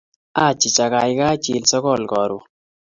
Achicha, gaigai chil sogol koron